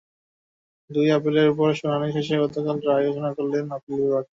দুই আপিলের ওপর শুনানি শেষে গতকাল রায় ঘোষণা করলেন আপিল বিভাগ।